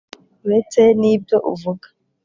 ureke n’ibyo uvuga